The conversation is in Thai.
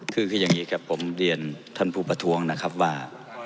คืออย่างนี้ครับผมเรียนท่านผู้ประท้วงนะครับว่า